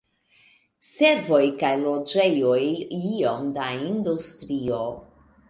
Servoj kaj loĝejoj, iom da industrio.